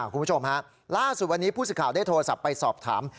คุณผู้ชมฮะล่าสุดวันนี้ผู้สิทธิ์ได้โทรศัพท์ไปสอบถาม